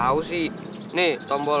tahu sih nih tombol